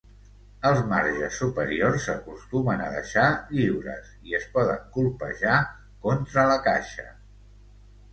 Els marges superiors s'acostumen a deixar lliures i es poden colpejar contra la caixa.